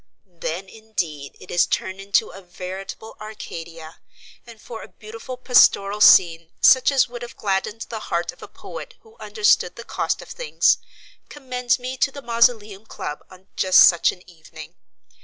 Then, indeed, it is turned into a veritable Arcadia; and for a beautiful pastoral scene, such as would have gladdened the heart of a poet who understood the cost of things, commend me to the Mausoleum Club on just such an evening.